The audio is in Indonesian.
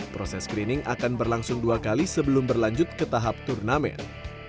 proses screening akan berlangsung dua kali sebelum berlanjut ke tahap turnamen